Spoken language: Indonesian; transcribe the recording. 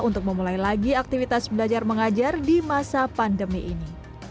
untuk memulai lagi aktivitas belajar mengajar di masa pandemi ini